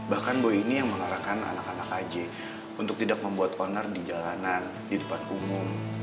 bahkan boy ini yang mengarahkan anak anak aja untuk tidak membuat owner di jalanan di depan umum